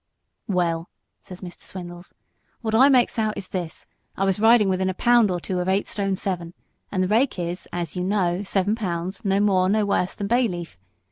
"Well," said Mr. Swindles, "what I makes out is this. I was riding within a pound or two of nine stone, and The Rake is, as you know, seven pounds, no more, worse than Bayleaf.